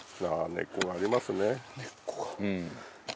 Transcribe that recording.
根っこが。